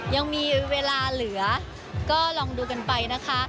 ยังมีเวลาเหลือก็ลองดูกันไปนะคะ